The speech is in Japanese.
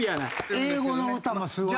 英語の歌もすごい。